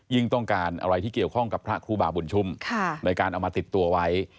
ต้องการอะไรที่เกี่ยวข้องกับพระครูบาบุญชุ่มในการเอามาติดตัวไว้